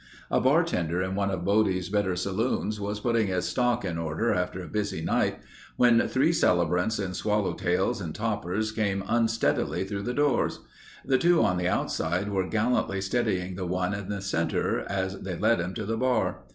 A bartender in one of Bodie's better saloons was putting his stock in order after a busy night when three celebrants in swallow tails and toppers came unsteadily through the doors. The two on the outside were gallantly steadying the one in the center as they led him to the bar.